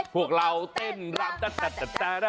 พวกเราเต้นรำ